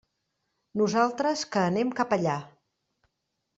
Nosaltres que anem cap allà.